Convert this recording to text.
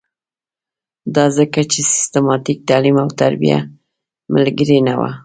دا ځکه چې سیستماتیک تعلیم او تربیه ملګرې نه وه.